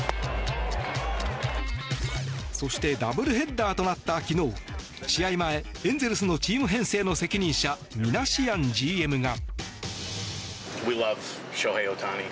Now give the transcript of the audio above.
そしてダブルヘッダーとなった昨日試合前エンゼルスのチーム編成の責任者ミナシアンＧＭが。